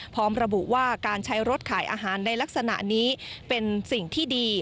พร้อมระบุว่าการใช้รถขายอาหารในลักษณะนี้เป็นสิ่งที่ดี